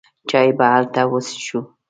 چای به هلته وڅېښو.